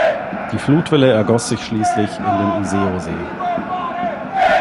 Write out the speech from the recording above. Die Flutwelle ergoss sich schließlich in den Iseosee.